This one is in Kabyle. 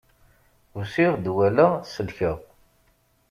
Usiɣ-d, walaɣ, selkeɣ.